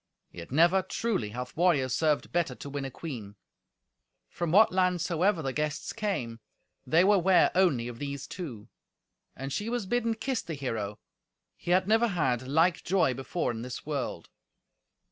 Yet never, truly, hath warrior served better to win a queen." From what land soever the guests came, they were ware only of these two. And she was bidden kiss the hero. He had never had like joy before in this world.